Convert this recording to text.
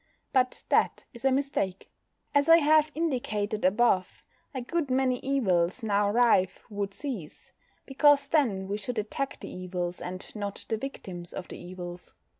But that is a mistake. As I have indicated above, a good many evils now rife would cease, because then we should attack the evils, and not the victims of the evils.